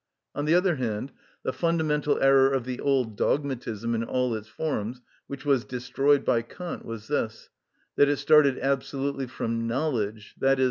On the other hand, the fundamental error of the old dogmatism in all its forms, which was destroyed by Kant, was this, that it started absolutely from knowledge, i.e.